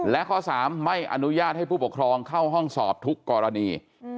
และข้อ๓ไม่อนุญาตให้ผู้ปกครองเข้าห้องสอบทุกกรณี